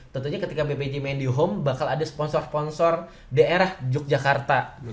tentunya ketika bpj main di home bakal ada sponsor sponsor daerah yogyakarta